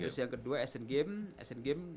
terus yang kedua asian games